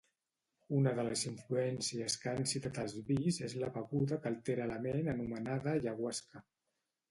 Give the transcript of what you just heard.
Una de les influències que han citat els Bees és la beguda que altera la ment anomenada ayahuasca.